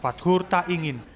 fathur tak ingin